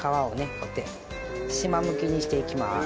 こうやって縞剥きにしていきます。